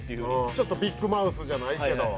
ちょっとビッグマウスじゃないけど。